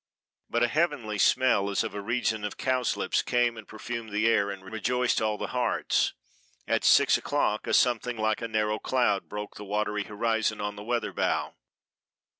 But a heavenly smell as of a region of cowslips came and perfumed the air and rejoiced all the hearts; at six o'clock a something like a narrow cloud broke the watery horizon on the weather bow.